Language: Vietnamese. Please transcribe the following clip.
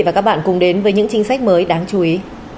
và các bạn cùng đến với những chính sách mới đáng chú ý